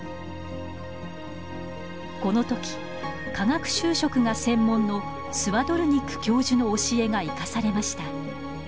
このとき化学修飾が専門のスワドルニック教授の教えが生かされました。